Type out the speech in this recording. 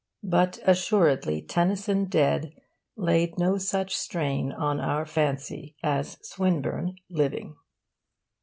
But assuredly Tennyson dead laid no such strain on our fancy as Swinburne living.